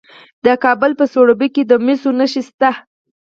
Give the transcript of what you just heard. د کابل په سروبي کې د مسو نښې شته.